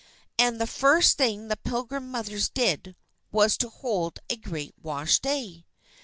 And the first thing the Pilgrim Mothers did, was to hold a great wash day.